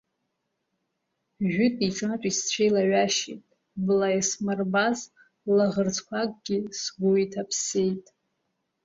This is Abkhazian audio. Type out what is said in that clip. Жәытәи ҿатәи сцәеилаҩашьеит, бла иасмырбаз лаӷырӡқәакгьы сгәы иҭаԥсеит.